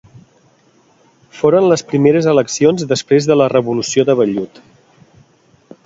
Foren les primeres eleccions després de la Revolució de Vellut.